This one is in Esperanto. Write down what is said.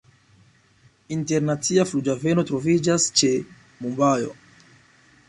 Internacia flughaveno troviĝas ĉe Mumbajo.